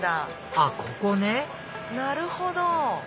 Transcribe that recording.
あっここねなるほど。